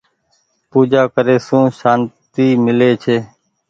پوجآ ڪري سون سانتي ميلي ڇي۔